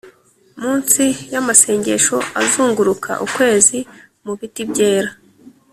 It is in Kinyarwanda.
munsi yamasengesho azunguruka ukwezi mubiti byera